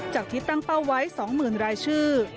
จากที่ตั้งเป้าไว้๒๐๐๐รายชื่อ